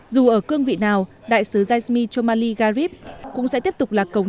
dù ở cương vị nào đại sứ yasmir chomali garib cũng sẽ tiếp tục là cầu nối